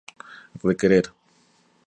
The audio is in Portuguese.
requerer